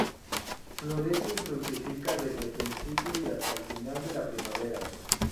Florece y fructifica desde el principio y hasta el final de la primavera.